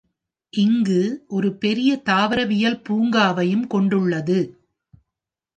இங்கு ஒரு பெரிய தாவரவியல் பூங்காவையும் கொண்டுள்ளது.